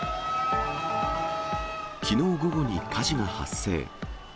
きのう午後に火事が発生。